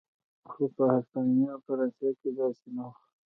خو په هسپانیا او فرانسه کې داسې نه و.